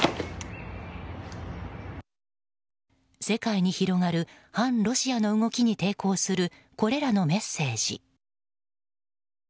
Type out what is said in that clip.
世界に広がる反ロシアの動きに抵抗するこれらのメッセージ。